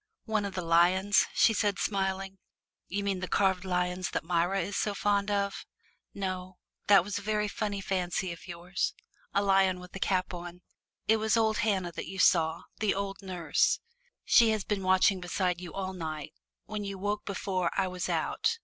"One of the lions?" she said, smiling. "You mean the carved lions that Myra is so fond of. No that was a very funny fancy of yours a lion with a cap on! It was old Hannah that you saw, the old nurse. She has been watching beside you all night. When you awoke before, I was out.